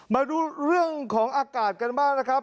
มาดูเรื่องของอากาศกันบ้างนะครับ